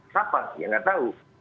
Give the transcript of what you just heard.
siapa ya nggak tahu